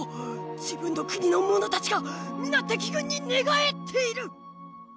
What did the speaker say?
自分の国の者たちが皆敵軍に寝返っている！」。